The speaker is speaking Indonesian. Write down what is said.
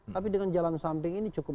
tapi dengan jalan samping ini cukup